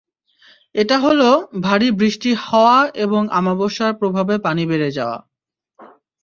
এটা হলো, ভারী বৃষ্টি হওয়া এবং অমাবস্যার প্রভাবে পানি বেড়ে যাওয়া।